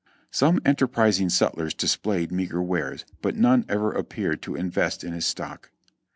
Some enterprising sutlers displayed meagre wares, but none ever appeared to invest in his stock.